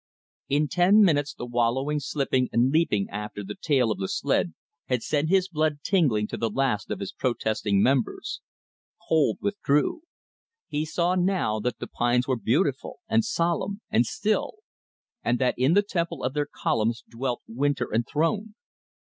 In ten minutes, the wallowing, slipping, and leaping after the tail of the sled had sent his blood tingling to the last of his protesting members. Cold withdrew. He saw now that the pines were beautiful and solemn and still; and that in the temple of their columns dwelt winter enthroned.